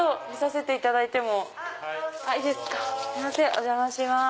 お邪魔します。